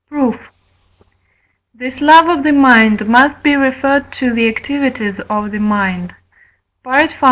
Proof. This love of the mind must be referred to the activities of the mind (V.